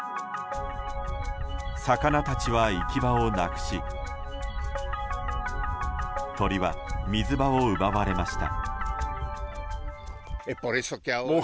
魚たちは行き場をなくし鳥は水場を奪われました。